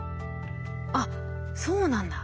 あっそうなんだ。